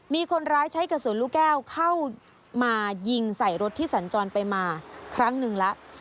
มีคนร้ายใช้กระสุนลูกแก้วเข้ามายิงใส่รถที่สัญจรไปมาครั้งหนึ่งแล้ว